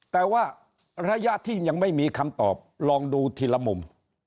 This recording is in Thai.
แต่ว่าระยะที่ยังไม่มีคำตอบลองดูทีละมุม